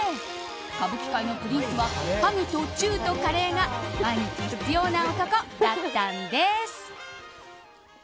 歌舞伎界のプリンスはハグとチューとカレーが毎日必要な男だったんです。